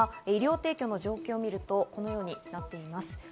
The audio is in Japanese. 医療提供の状況を見るとこのようになっています。